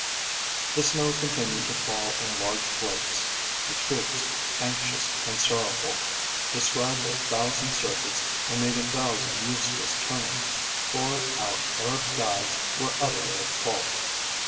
The snow continued to fall in large flakes; the troops, anxious and sorrowful, described a thousand circuits and made a thousand useless turnings, for our Arab guides were utterly at fault.